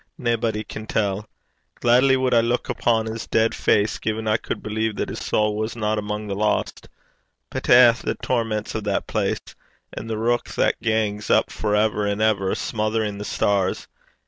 Naebody can tell. Glaidly wad I luik upon 's deid face gin I cud believe that his sowl wasna amang the lost. But eh! the torments o' that place! and the reik that gangs up for ever an' ever, smorin' (smothering) the stars!